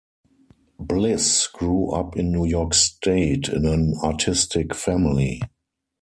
Bliss grew up in New York State in an artistic family.